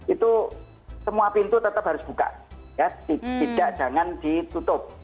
itu semua pintu tetap harus buka tidak jangan ditutup